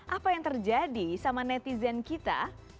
apa yang terjadi sama netizen kita